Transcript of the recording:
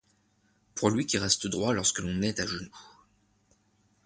Pour lui qui reste droit lorsqu'on est à genoux